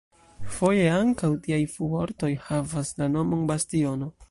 Foje ankaŭ tiaj fuortoj havas la nomon "bastiono".